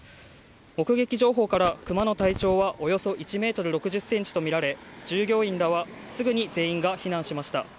目撃情報からクマの体長はおよそ１ｍ６０ｃｍとみられ従業員らはすぐに全員が避難しました。